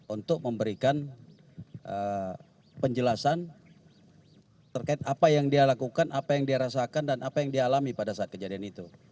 untuk memberikan penjelasan terkait apa yang dia lakukan apa yang dia rasakan dan apa yang dia alami pada saat kejadian itu